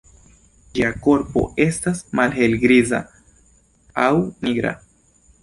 Ĝia korpo estas malhelgriza aŭ nigra.